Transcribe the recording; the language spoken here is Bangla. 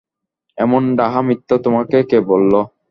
এমন ডাহা মিথ্যা তোমাকে কে বলল?